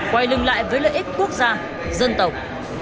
quay lưng lại với lợi ích quốc gia dân tộc